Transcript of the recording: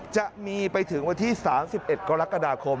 จะมีไปถึงวันที่๓๑กรกฎาคม